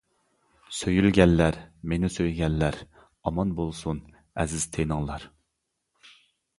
سۆيۈلگەنلەر، مېنى سۆيگەنلەر، ئامان بولسۇن ئەزىز تېنىڭلار.